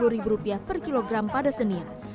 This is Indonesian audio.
tiga puluh ribu rupiah per kilogram pada senin